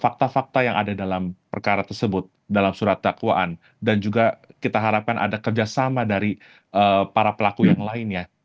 fakta fakta yang ada dalam perkara tersebut dalam surat dakwaan dan juga kita harapkan ada kerjasama dari para pelaku yang lainnya